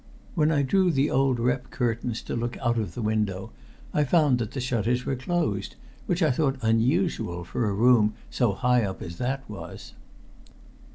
When I drew the old rep curtains to look out of the window, I found that the shutters were closed, which I thought unusual for a room so high up as that was.